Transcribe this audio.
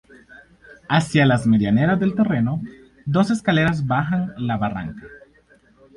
Hacia las medianeras del terreno, dos escaleras bajan la barranca.